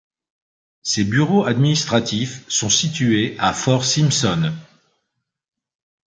Ses bureaux administratifs sont situés à Fort Simpson.